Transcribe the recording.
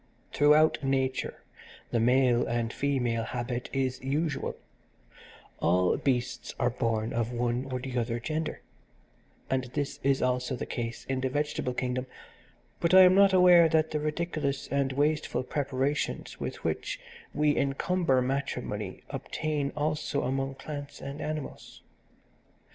"Throughout nature the male and female habit is usual: all beasts are born of one or the other gender, and this is also the case in the vegetable kingdom: but I am not aware that the ridiculous and wasteful preparations with which we encumber matrimony obtain also among plants and animals.